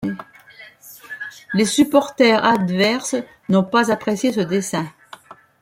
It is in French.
Les supporter adverses n'ont pas apprécié ce dessin.